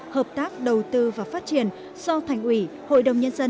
hợp tác đầu tư và phát triển do thành ủy hội đồng nhân dân